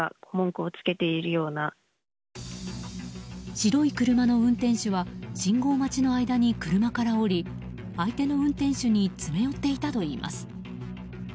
白い車の運転手は信号待ちの間に車から降り相手の運転手に詰め寄っていたといいます。